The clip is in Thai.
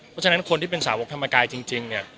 เพราะฉะนั้นคนที่เป็นสาวกธรรมกายจริงเนี่ย